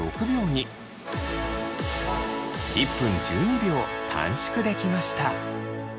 １分１２秒短縮できました。